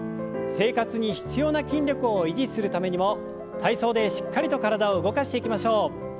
生活に必要な筋力を維持するためにも体操でしっかりと体を動かしていきましょう。